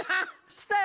きたよ！